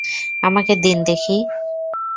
আমাকে দিন দেখি।